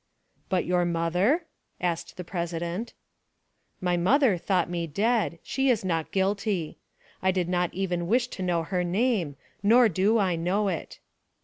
"But your mother?" asked the president. "My mother thought me dead; she is not guilty. I did not even wish to know her name, nor do I know it."